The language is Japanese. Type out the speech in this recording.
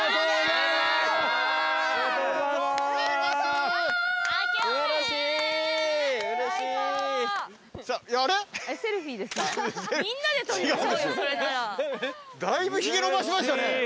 だいぶひげ伸ばしましたね。